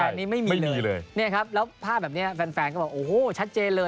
นี้ไม่มีเลยเนี่ยครับแล้วภาพแบบนี้แฟนแฟนก็บอกโอ้โหชัดเจนเลย